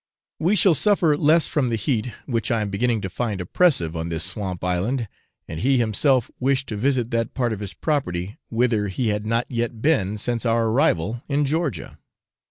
We shall suffer less from the heat, which I am beginning to find oppressive on this swamp island; and he himself wished to visit that part of his property, whither he had not yet been since our arrival in Georgia.